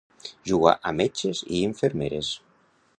Jugar a metges i infermeres.